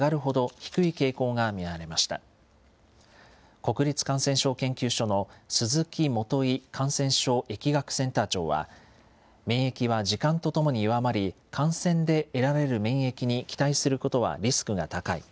国立感染症研究所の鈴木基感染症疫学センター長は、免疫は時間とともに弱まり、感染で得られる免疫に期待することはリスクが高い。